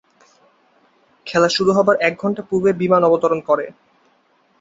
খেলা শুরু হবার এক ঘণ্টা পূর্বে বিমান অবতরণ করে।